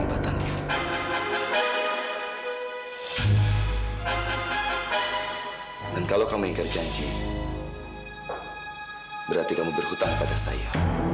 berarti kamu berhutang pada saya